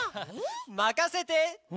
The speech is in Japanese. まかせて！